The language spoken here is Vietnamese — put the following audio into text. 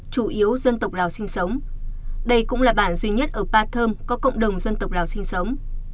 chủ yếu dân tộc lào sinh sống đây cũng là bản duy nhất ở pa thơm có cộng đồng dân tộc lào sinh sống